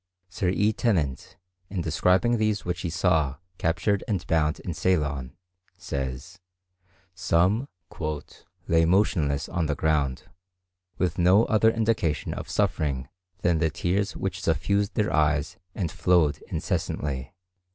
Sir E. Tennent, in describing these which he saw captured and bound in Ceylon, says, some "lay motionless on the ground, with no other indication of suffering than the tears which suffused their eyes and flowed incessantly."